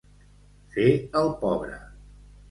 Fer el pobre.